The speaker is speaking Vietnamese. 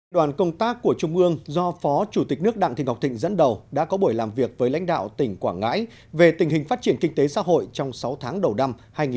đoàn công tác của trung ương do phó chủ tịch nước đặng thị ngọc thịnh dẫn đầu đã có buổi làm việc với lãnh đạo tỉnh quảng ngãi về tình hình phát triển kinh tế xã hội trong sáu tháng đầu năm hai nghìn một mươi chín